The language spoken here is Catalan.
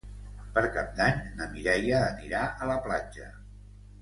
Per Cap d'Any na Mireia anirà a la platja.